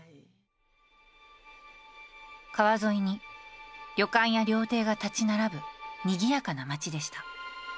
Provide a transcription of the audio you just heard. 川沿いに旅館や料亭が立ち並ぶにぎやかな街でした。